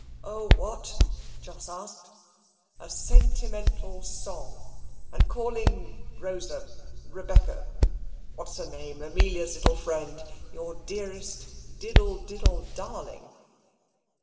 "A what?" Jos asked. "A sentimental song, and calling Rosa, Rebecca, what's her name, Amelia's little friend your dearest diddle diddle darling?"